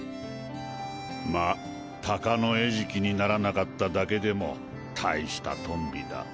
ま鷹の餌食にならなかっただけでも大したトンビだ。